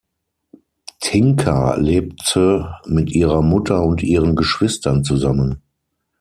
Tinka lebte mit ihrer Mutter und ihren Geschwistern zusammen.